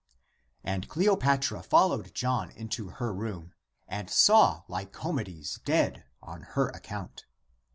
And Cleopatra followed John into her room, and saw Lycomedes dead on her account.